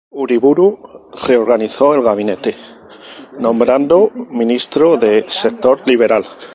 Uriburu reorganizó el gabinete, nombrando ministros del sector "liberal".